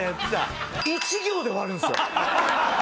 １行で終わるんですよ。